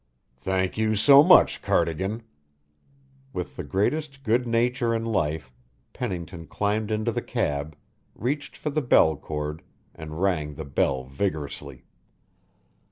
"Thank you so much, Cardigan." With the greatest good nature in life, Pennington climbed into the cab, reached for the bell cord, and rang the bell vigorously.